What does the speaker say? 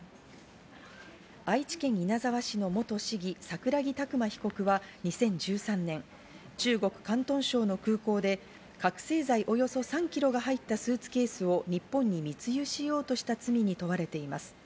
愛知県稲沢市の元市議・桜木琢磨被告は２０１３年、中国・広東省の空港で覚せい剤およそ３キロが入ったスーツケースを日本に密輸しようとした罪に問われています。